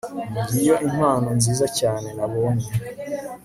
ngiyo impano nziza cyane nabonye